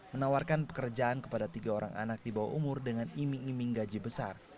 menawarkan pekerjaan kepada tiga orang anak di bawah umur dengan iming iming gaji besar